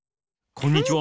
こんにちは！